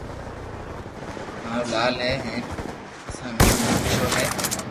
مارو لال ھي ھين اصل نوم نند ڪيݾور ھي